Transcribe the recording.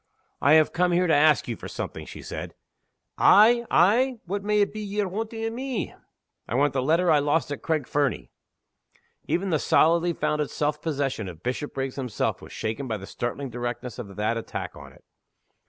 "I have come here to ask you for something," she said. "Ay? ay? What may it be ye're wanting of me?" "I want the letter I lost at Craig Fernie." Even the solidly founded self possession of Bishopriggs himself was shaken by the startling directness of that attack on it.